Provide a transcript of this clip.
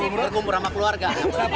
berkumpul sama keluarga